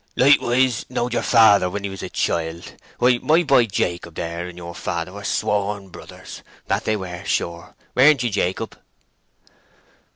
"Likewise knowed yer father when he was a child. Why, my boy Jacob there and your father were sworn brothers—that they were sure—weren't ye, Jacob?"